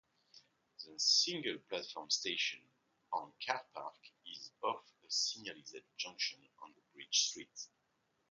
The single-platform station and car park is off a signalised junction on Bridge Street.